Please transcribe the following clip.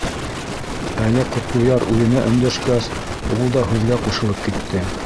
Әле Ҡотлояр үҙенә өндәшкәс, ул да һүҙгә ҡушылып китте: